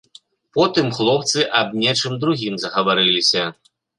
Потым хлопцы аб нечым другім загаварыліся.